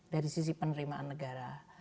dari sisi penerimaan negara